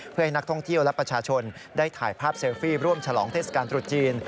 เพื่อให้นักท่องเที่ยวและประชาชนได้ถ่ายภาพเซลฟี่ร่วมฉลองเทศกาลตรุษจีน